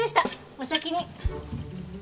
お先に。